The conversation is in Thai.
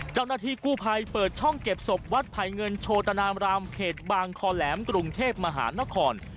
เจ้าหน้าที่กู้ภัยเปิดช่องเก็บศพวัดไผ่เงินโชตนามรามเขตบางคอแหลมกรุงเทพมหานคร